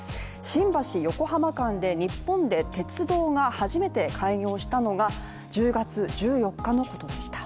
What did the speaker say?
新橋−横浜間で日本で鉄道が初めて開業したのが１０月１４日のことでした。